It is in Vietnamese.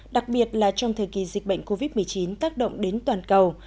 đặc biệt là trong thời kỳ dịch bệnh covid một mươi chín tác động đến toàn cầu